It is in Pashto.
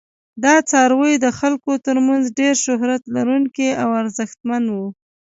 دا څاروي د خلکو تر منځ ډیر شهرت لرونکي او ارزښتمن وو.